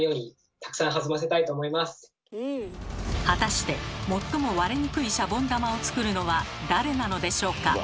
果たして最も割れにくいシャボン玉を作るのは誰なのでしょうか。